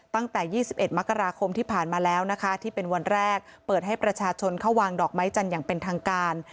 ตั้งแต่๒๑มกราคมที่ผ่านมาแล้วนะคะที่เป็นวันแรกเปิดให้ประชาชนเข้าวางดอกไม้จันทร์อย่างเป็นทางการ